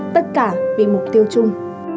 tất cả vì mục tiêu chung